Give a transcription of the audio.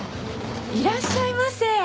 いらっしゃいませ！